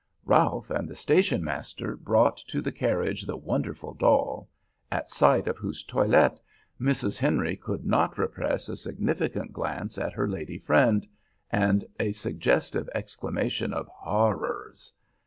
Ralph and the station master brought to the carriage the wonderful doll at sight of whose toilet Mrs. Henry could not repress a significant glance at her lady friend, and a suggestive exclamation of "Horrors!"